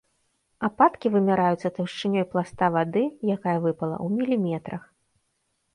Ападкі вымяраюцца таўшчынёй пласта вады, якая выпала, у міліметрах.